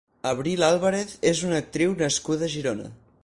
Abril Álvarez és una actriu nascuda a Girona.